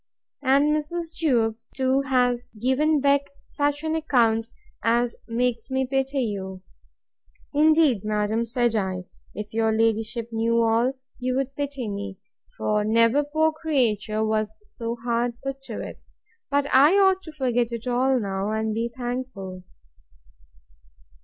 And Mrs. Jewkes too has given Beck such an account, as makes me pity you. Indeed, madam, said I, if your ladyship knew all, you would pity me; for never poor creature was so hard put to it. But I ought to forget it all now, and be thankful.